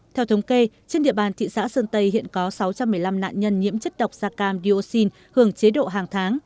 theo thống kê trên địa bàn thị xã sơn tây hiện có sáu trăm một mươi năm nạn nhân nhiễm chất độc da cam dioxin hưởng chế độ hàng tháng